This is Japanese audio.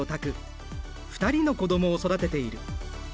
２人の子どもを育てている。